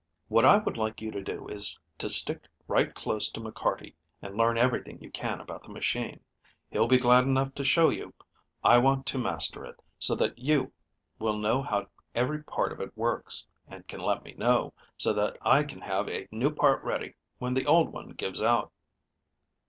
What I would like you to do is to stick right close to McCarty and learn everything you can about the machine. He'll be glad enough to show you. I want you to master it, so that you will know how every part of it works, and can let me know, so that I can have a new part ready when the old one gives out."